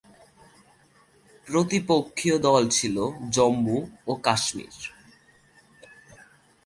প্রতিপক্ষীয় দল ছিল জম্মু ও কাশ্মীর।